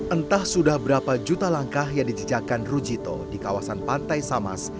entah sudah berapa juta langkah yang dijejakan rujito di kawasan pantai samas